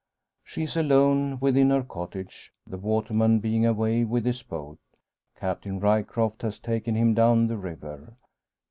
She is alone within her cottage, the waterman being away with his boat. Captain Ryecroft has taken him down the river.